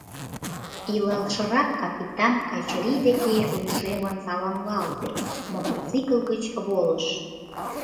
Илалшырак капитан Качырий деке лишемын саламлалте, мотоцикл гыч волыш.